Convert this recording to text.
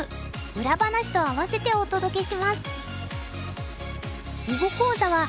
裏話と併せてお届けします。